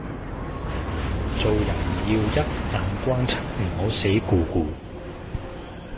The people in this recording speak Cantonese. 做人要一眼關七唔好死咕咕